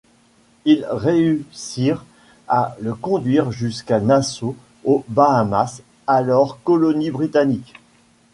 Ils réussirent à le conduire jusqu'à Nassau aux Bahamas, alors colonie britannique.